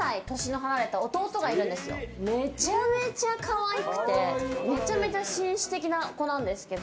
めちゃめちゃ可愛くてめちゃめちゃ紳士的な子なんですけど。